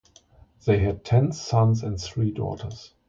They had ten sons and three daughters.